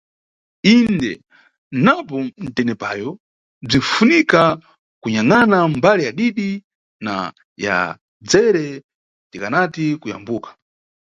Inde, napo nʼtenepoyo bzinʼfunika kunyangʼana mbali yadidi na yadzere tikanati Kuyambuka.